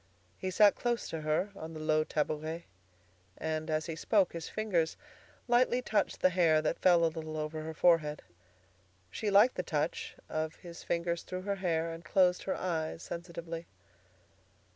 He sat close to her on a low tabouret, and as he spoke his fingers lightly touched the hair that fell a little over her forehead. She liked the touch of his fingers through her hair, and closed her eyes sensitively.